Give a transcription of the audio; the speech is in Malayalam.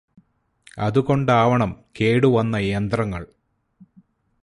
അതു കൊണ്ടാവണം കേടുവന്ന യന്ത്രങ്ങള്